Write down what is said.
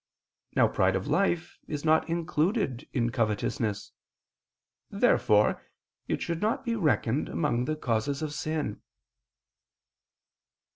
Now pride of life is not included in covetousness. Therefore it should not be reckoned among the causes of sin.